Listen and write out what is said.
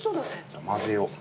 じゃあまぜよう。